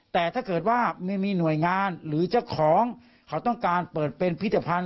แต่ถ้าเกิดว่าไม่มีหน่วยงานหรือเจ้าของเขาต้องการเปิดเป็นพิธภัณฑ์